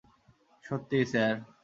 সত্যিই, স্যার।